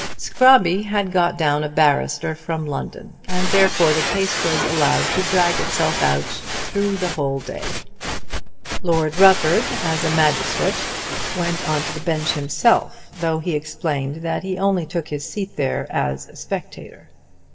Scrobby had got down a barrister from London, and therefore the case was allowed to drag itself out through the whole day. Lord Rufford, as a magistrate, went on to the bench himself, though he explained that he only took his seat there as a spectator.